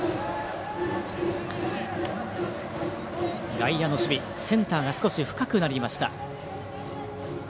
外野の守備センターが少し深くなりました。